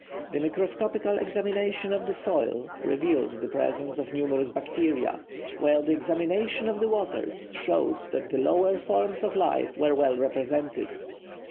The microscopical examination of the soil revealed the presence of numerous bacteria, while the examination of the waters showed that the lower forms of life were well represented.